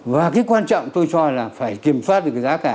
và cái quan trọng tôi cho là phải kiểm soát được cái giá cả